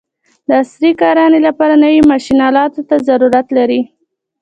د عصري کرانې لپاره نوي ماشین الاتو ته ضرورت لري.